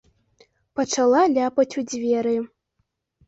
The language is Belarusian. Пачала ляпаць у дзверы.